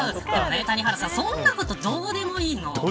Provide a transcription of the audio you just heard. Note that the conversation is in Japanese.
谷原さん、そんなことどうでもいいの。